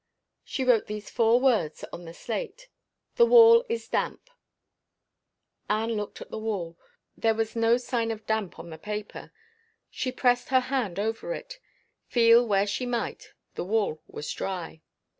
She wrote these four words on the slate: "The wall is damp." Anne looked at the wall. There was no sign of damp on the paper. She passed her hand over it. Feel where she might, the wall was dry.